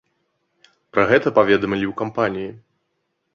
Пра гэта паведамілі ў кампаніі.